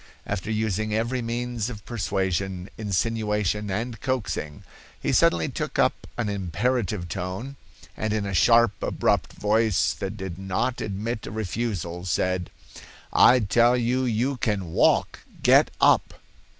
After using every means of persuasion, insinuation and coaxing, he suddenly took up an imperative tone, and in a sharp, abrupt voice that did not admit a refusal, said: 'I tell you you can walk; get up.